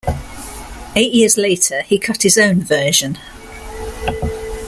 Eight years later, he cut his own version.